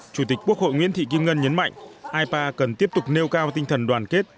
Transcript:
chủ tịch quốc hội nguyễn thị kim ngân nhấn mạnh ipa cần tiếp tục nêu cao tinh thần đoàn kết